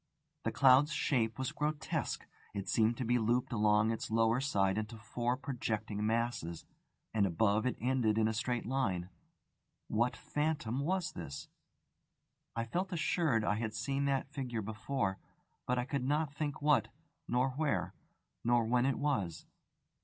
The cloud's shape was grotesque. It seemed to be looped along its lower side into four projecting masses, and, above, it ended in a straight line. What phantom was it? I felt assured I had seen that figure before; but I could not think what, nor where, nor when it was.